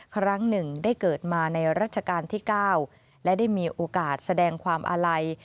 ครั้งหนึ่งได้เกิดมาในรัชกาลที่๙และได้มีโอกาสแสดงความอาลัย